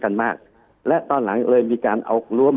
คุณหมอประเมินสถานการณ์บรรยากาศนอกสภาหน่อยได้ไหมคะ